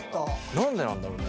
何でなんだろうね？